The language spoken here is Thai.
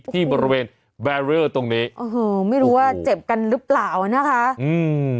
ที่บริเวณแบเรอร์ตรงนี้โอ้โหไม่รู้ว่าเจ็บกันหรือเปล่านะคะอืม